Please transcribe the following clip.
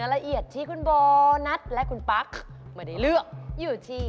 กระโดดไปเยอะเลย